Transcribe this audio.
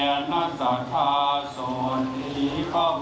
เข้าสู่ปีใหม่สองพันห้าร้อยสิบเอ็ดครับ